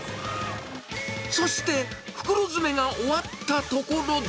そして、袋詰めが終わったところで。